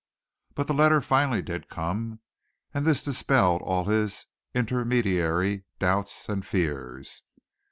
but the letter finally did come and this dispelled all his intermediary doubts and fears.